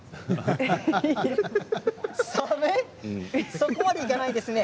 そこまでいかないですね。